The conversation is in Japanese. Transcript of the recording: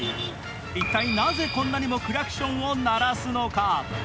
一体なぜこんなにもクラクションを鳴らすのか？